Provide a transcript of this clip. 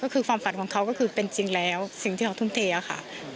ก็คือความฝันของเขาก็คือเป็นจริงแล้วสิ่งที่เขาทุ่มเทค่ะ